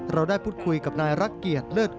เราได้พูดคุยกับหนายรักเกียจเลิสอุดมสหกูล